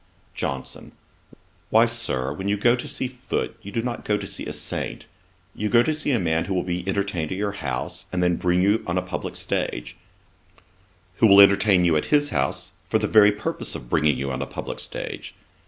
JOHNSON. 'Why, Sir, when you go to see Foote, you do not go to see a saint: you go to see a man who will be entertained at your house, and then bring you on a publick stage; who will entertain you at his house, for the very purpose of bringing you on a publick stage.